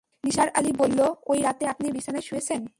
নিসার আলি বলল, ঐ রাতে আপনি বিছানায় শুয়েছেন।